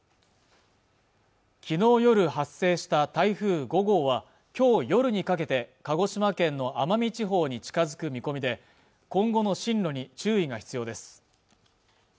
昨日夜発生した台風５号は今日夜にかけて鹿児島県の奄美地方に近づく見込みで今後の進路に注意が必要です